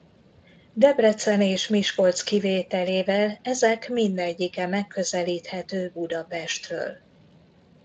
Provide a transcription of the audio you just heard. Debrecen és Miskolc kivételével ezek mindegyike megközelíthető Budapestről.